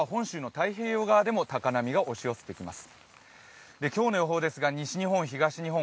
明日は本州の太平洋側にも高波が押し寄せてきます。